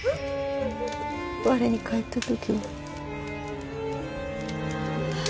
我に返った時。